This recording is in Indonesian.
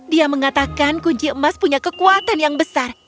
dia mengatakan kunci emas punya kekuatan yang besar